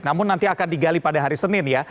namun nanti akan digali pada hari senin ya